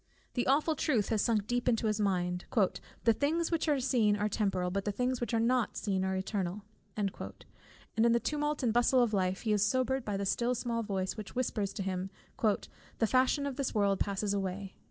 The awful truth has sunk deep into his mind, "the things which are seen are temporal, but the things which are not seen are eternal;" and in the tumult and bustle of life, he is sobered by the still small voice which whispers to him "the fashion of this world passes away."